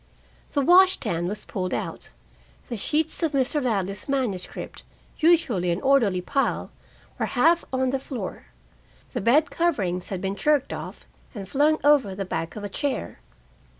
The wash stand was pulled out. The sheets of Mr. Ladley's manuscript, usually an orderly pile, were half on the floor. The bed coverings had been jerked off and flung over the back of a chair.